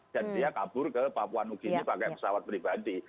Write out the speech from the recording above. dan dia kabur ke papua new guinea pakai pesawat pribadi